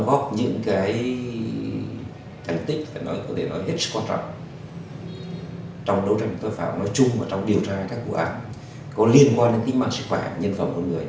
nó góp những cái thánh tích có thể nói là hiệu quả rất quan trọng trong đấu tranh công tác phạm nói chung trong điều tra các vụ án có liên quan đến tính mạng sức khỏe nhân phẩm của người nói riêng